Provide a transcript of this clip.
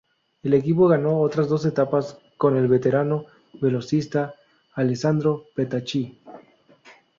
El equipo ganó otras dos etapas con el veterano velocista Alessandro Petacchi.